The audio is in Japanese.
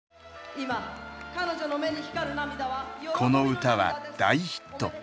この歌は大ヒット。